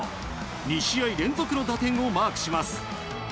２試合連続の打点をマークします。